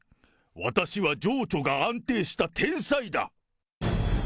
私は情緒が安定した天才だ。